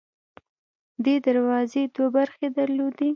دې دروازې دوه برخې درلودې.